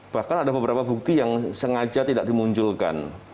bahkan ada beberapa bukti yang sengaja tidak dimunculkan